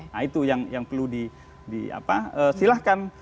nah itu yang perlu disilahkan